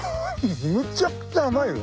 むちゃくちゃ甘いよ。